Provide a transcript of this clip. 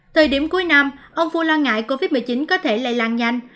thời điểm cuối năm ông fu lo ngại covid một mươi chín có thể lây lan nhanh